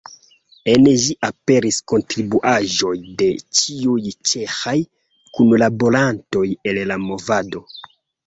En ĝi aperis kontribuaĵoj de ĉiuj ĉeĥaj kunlaborantoj el la movado.